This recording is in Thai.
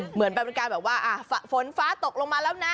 เหมือนเป็นการแบบว่าฝนฟ้าตกลงมาแล้วนะ